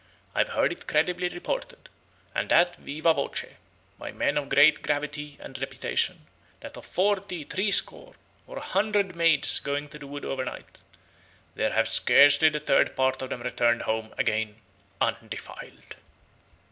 I have heard it credibly reported (and that viva voce) by men of great gravitie and reputation, that of fortie, threescore, or a hundred maides going to the wood over night, there have scaresly the third part of them returned home againe undefiled."